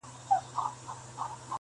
هر ګستاخ چي په ګستاخ نظر در ګوري ,